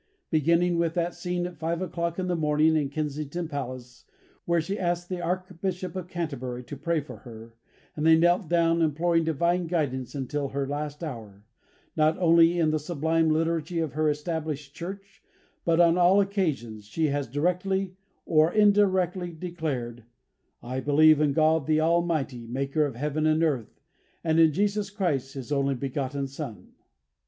Beginning with that scene at 5 o'clock in the morning in Kensington Palace, where she asked the Archbishop of Canterbury to pray for her, and they knelt down imploring Divine guidance until her last hour, not only in the sublime liturgy of her established Church, but on all occasions, she has directly or indirectly declared: 'I believe in God, the Father Almighty, Maker of Heaven and Earth, and in Jesus Christ, His only begotten Son.'